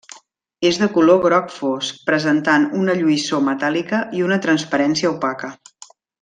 És de color gros fosc, presentant una lluïssor metàl·lica i una transparència opaca.